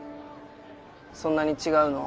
そんなに違うの？